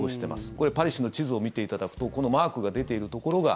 これ、パリ市の地図を見ていただくとこのマークが出ているところが